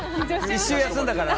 １週休んだから？